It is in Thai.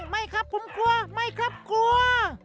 ไม่ครับผมกลัวไม่ครับกลัว